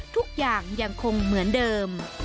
ทุกอย่างยังคงเหมือนเดิม